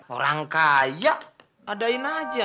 orang kaya adain aja